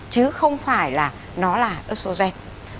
chứ không phải là nó là ớt sô gen